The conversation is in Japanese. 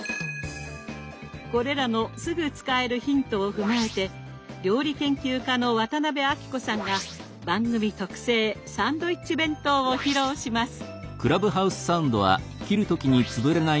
これらのすぐ使えるヒントを踏まえて料理研究家の渡辺あきこさんが番組特製サンドイッチ弁当を披露します！